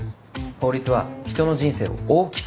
法律は人の人生を大きく左右する。